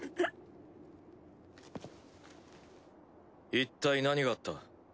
一体何があった？